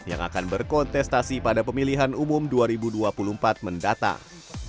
yang akan berkontestasi pada pemilihan umum dua ribu dua puluh empat mendatang